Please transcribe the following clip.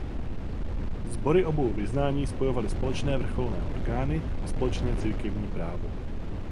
Sbory obou vyznání spojovaly společné vrcholné orgány a společné církevní právo.